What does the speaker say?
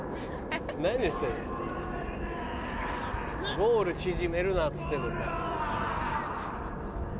「ゴール縮めるな」っつってるのか。